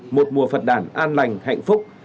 một mùa phật đảng an lành hạnh phúc